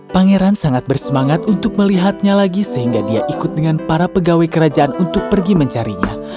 pangeran sangat bersemangat untuk melihatnya lagi sehingga dia ikut dengan para pegawai kerajaan untuk pergi mencarinya